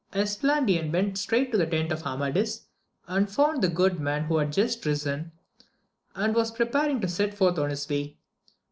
Esplan dian went straight to the tent of Amadis, and found the good man who had just risen, and was preparing to set forth on his way.